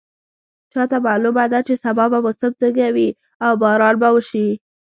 چا ته معلومه ده چې سبا به موسم څنګه وي او باران به وشي